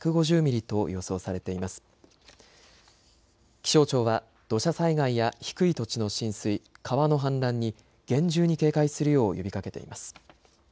気象庁は土砂災害や低い土地の浸水、川の氾濫に厳重に警戒するよう呼びかけています。